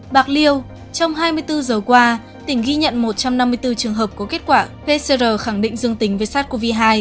bạc liêu trong hai mươi bốn giờ qua tỉnh ghi nhận một trăm năm mươi bốn trường hợp có kết quả pcr khẳng định dương tính với sars cov hai